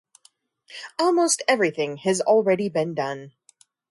Almost everything has already been done.